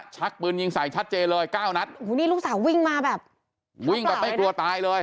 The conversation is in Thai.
ชัดปืนยิงใส่ชัดเจเลย๙นัทลูกสาววิ่งมาแบบไม่กลัวตายเลย